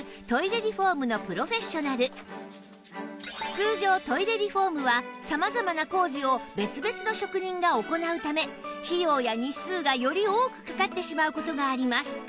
通常トイレリフォームは様々な工事を別々の職人が行うため費用や日数がより多くかかってしまう事があります